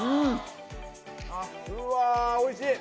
うわおいしい！